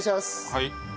はい。